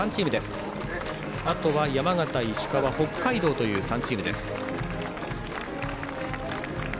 あとは山形、石川、北海道という３チーム。